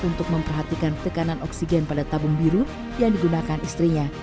untuk memperhatikan tekanan oksigen pada tabung biru yang digunakan istrinya